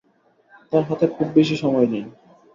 তার হাতে খুব বেশি সময় নেই।